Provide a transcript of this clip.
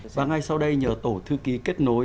và ngay sau đây nhờ tổ thư ký kết nối